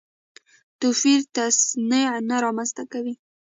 توپیر تصنع نه رامنځته کوي.